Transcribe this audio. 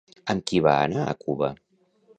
Amb qui va anar a Cuba?